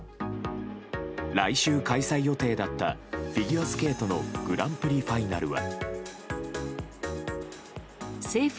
来週開催予定だったフィギュアスケートのグランプリファイナルは。